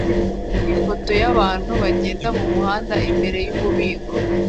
Ifoto yabantu bagenda mumuhanda imbere yububiko